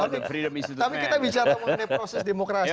tapi kita bicara mengenai proses demokrasi